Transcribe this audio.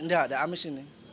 nggak ada amis ini